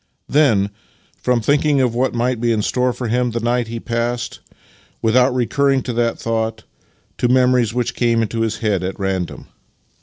" Then, from thinking of what might be in store for him that night he passed, without recurring to that thought, to memories which came into his head at random.